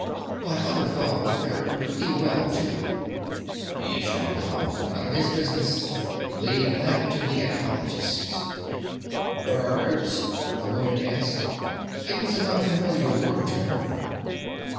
But other fowl fared pretty well, too. He shrugged it off; none of his business; leave that to the ecologists. "Birds?" the woman asked. It was an unfamiliar word to her.